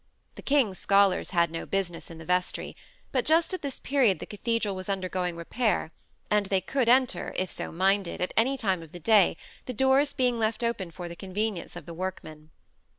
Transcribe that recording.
The king's scholars had no business in the vestry; but just at this period the cathedral was undergoing repair, and they could enter, if so minded, at any time of the day, the doors being left open for the convenience of the workmen.